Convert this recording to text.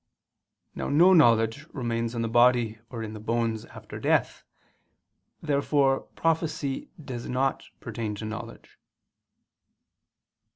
Now no knowledge remains in the body or in the bones after death. Therefore prophecy does not pertain to knowledge.